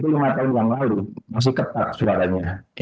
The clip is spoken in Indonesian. lima tahun yang lalu masih ketat suaranya